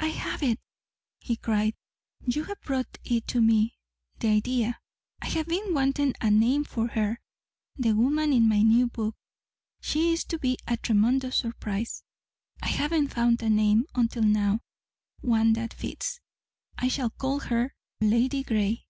"I have it!" he cried. "You have brought it to me the idea. I have been wanting a name for her the woman in my new book. She is to be a tremendous surprise. I haven't found a name, until now one that fits. I shall call her Ladygray!"